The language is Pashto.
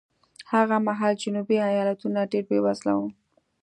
هغه مهال جنوبي ایالتونه ډېر بېوزله وو.